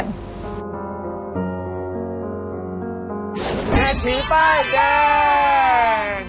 เศรษฐีป้ายแดง